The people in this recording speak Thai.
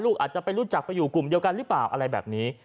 อาจจะไปรู้จักไปอยู่กลุ่มเดียวกันหรือเปล่าอะไรแบบนี้